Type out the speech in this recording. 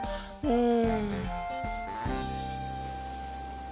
うん。